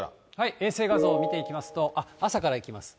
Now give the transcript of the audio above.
衛星画像を見ていきますと、あっ、朝からいきます。